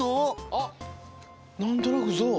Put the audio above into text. あっなんとなくゾウ。